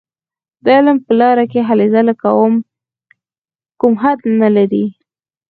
د علم په لاره کې هلې ځلې کوم حد نه لري.